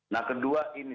nah kedua ini